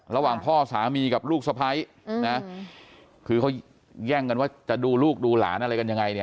ระหว่างพ่อสามีกับลูกสะพ้ายนะคือเขาแย่งกันว่าจะดูลูกดูหลานอะไรกันยังไงเนี่ย